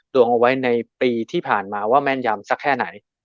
ดวงเอาไว้ในปีที่ผ่านมาว่าแม่นยำสักแค่ไหน